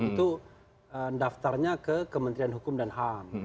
itu daftarnya ke kementerian hukum dan ham